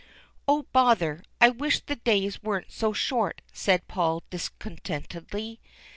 " Oh, bother ! I wish the days weren't so short," said Paul discontentedly.